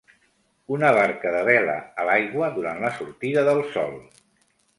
Una barca de vela a l'aigua durant la sortida del sol.